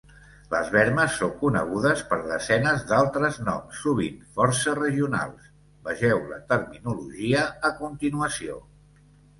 Les bermes són conegudes per desenes d'altres noms, sovint força regionals; vegeu la Terminologia, a continuació.